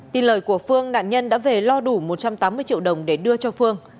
tin lời của phương nạn nhân đã về lo đủ một trăm tám mươi triệu đồng để đưa cho phương